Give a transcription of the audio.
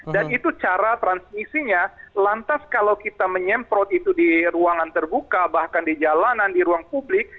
dan itu cara transmisinya lantas kalau kita menyemprot itu di ruangan terbuka bahkan di jalanan di ruang publik